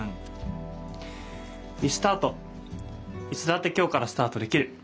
いつだって今日からスタートできる。